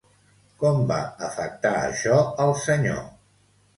Com va afectar això al senyor?